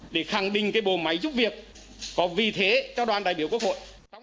để khẳng định bồ máy giúp việc có vị thế cho đoàn đại biểu quốc hội